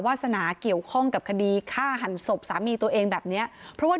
สนาเกี่ยวข้องกับคดีฆ่าหันศพสามีตัวเองแบบเนี้ยเพราะว่า